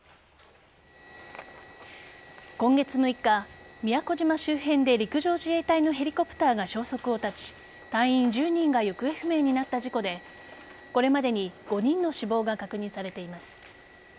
今月６日、宮古島周辺で陸上自衛隊のヘリコプターが消息を絶ち隊員１０人が行方不明になった事故でこれまでに５人の死亡が確認されています。